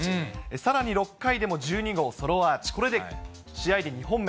さらに６回でも１２号ソロアーチ、これで試合で２本目。